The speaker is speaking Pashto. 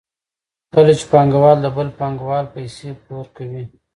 کله چې پانګوال د بل پانګوال پیسې پور کوي